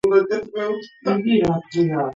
მიკეუთვნება ჰერმონის თემს.